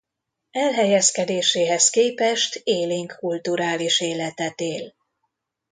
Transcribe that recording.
Elhelyezkedéséhez képest élénk kulturális életet él.